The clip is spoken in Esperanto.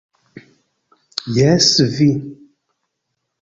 Jes, vi!